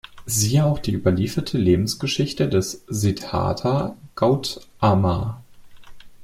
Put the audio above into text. Siehe auch die überlieferte Lebensgeschichte des Siddhartha Gautama.